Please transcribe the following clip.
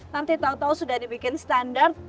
nanti tau tau sudah dibikin standar